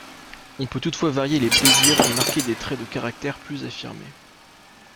On peut toutefois varier les plaisirs et marquer des traits de caractère plus affirmés.